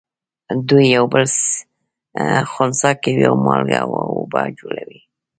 دوی یو بل خنثی کوي او مالګه او اوبه جوړوي.